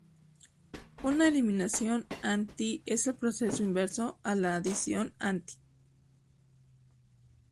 Una eliminación "anti" es el proceso inverso a una adición "anti".